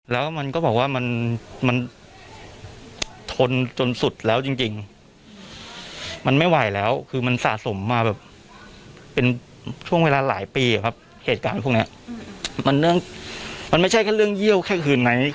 เหตุการณ์พวกเนี้ยอืมมันเรื่องมันไม่ใช่แค่เรื่องเยี่ยวแค่คืนไง